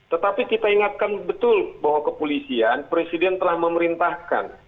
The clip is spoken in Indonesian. tetapi kita ingatkan betul bahwa kepolisian presiden telah memerintahkan